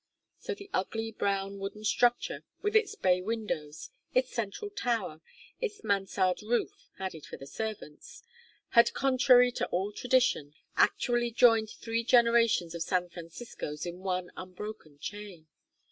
So the ugly brown wooden structure with its bay windows, its central tower, its Mansard roof added for the servants had, contrary to all tradition, actually joined three generations of San Franciscans in one unbroken chain.